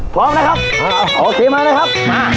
พร้อมนะครับมาเดี๋ยวมาเลยครับ